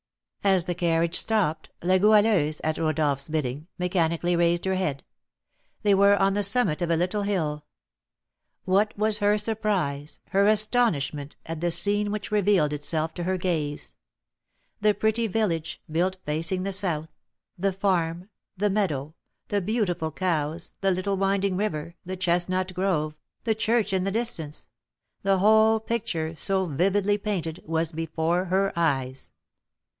As the carriage stopped, La Goualeuse, at Rodolph's bidding, mechanically raised her head, they were on the summit of a little hill. What was her surprise, her astonishment, at the scene which revealed itself to her gaze! The pretty village, built facing the south, the farm, the meadow, the beautiful cows, the little winding river, the chestnut grove, the church in the distance, the whole picture, so vividly painted, was before her eyes.